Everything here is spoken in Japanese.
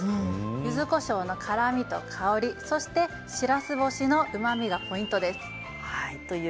ゆずこしょうの辛みや香りしらす干しのうまみがポイントです。